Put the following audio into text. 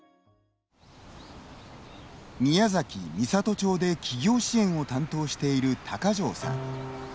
宮崎・美郷町で起業支援を担当している高城さん。